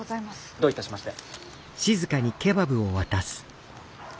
どういたしまして。